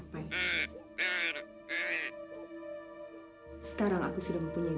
dan saya akan menemukan bung